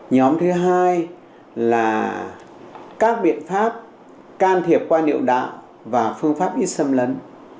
nhóm thứ hai là các biện pháp can thiệp qua niệu đạo và phương pháp y sâm lấn